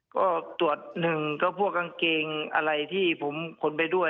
ก็ตรวจหนึ่งก็พวกกางเกงอะไรที่ผมขนไปด้วย